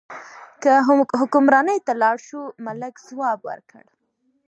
که حکمرانۍ ته لاړ شو، ملک ځواب ورکړ.